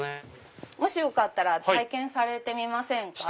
よかったら体験してみませんか？